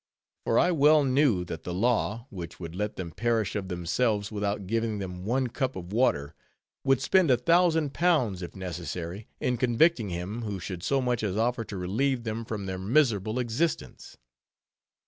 For I well knew that the law, which would let them perish of themselves without giving them one cup of water, would spend a thousand pounds, if necessary, in convicting him who should so much as offer to relieve them from their miserable existence.